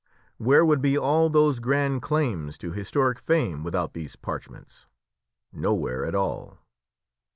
Where would be all those grand claims to historic fame without these parchments? Nowhere at all.